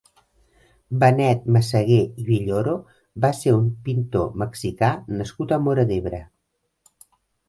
Benet Messeguer i Villoro va ser un pintor mexicà nascut a Móra d'Ebre.